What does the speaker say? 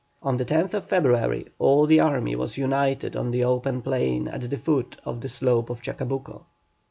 On the 10th February all the army was united on the open plain at the foot of the slope of Chacabuco.